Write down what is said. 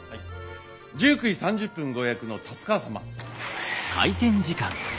１９時３０分ご予約の達川様。